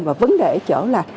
và vấn đề chỗ là